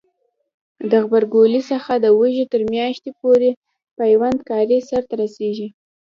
د غبرګولي څخه د وږي تر میاشتې پورې پیوند کاری سرته رسیږي.